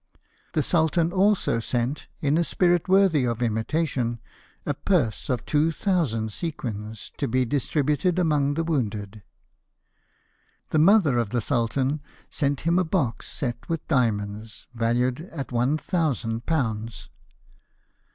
The Sultan also sent, in a spirit worthy of imitation, a purse of two thousand sequins, to be distributed among the wounded. The mother of the Sultan sent him a box set with diamonds, valued at one thousand pounds.